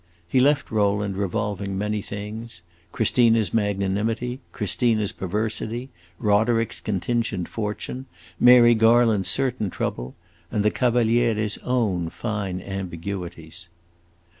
He left Rowland revolving many things: Christina's magnanimity, Christina's perversity, Roderick's contingent fortune, Mary Garland's certain trouble, and the Cavaliere's own fine ambiguities.